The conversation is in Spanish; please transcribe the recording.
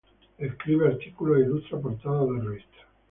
Escribe artículos e ilustra portadas de revistas.